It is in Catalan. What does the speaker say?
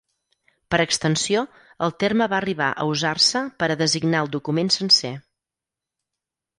Per extensió, el terme va arribar a usar-se per a designar el document sencer.